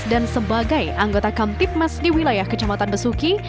dan sebagai anggota kamtip mas di wilayah kecamatan besuki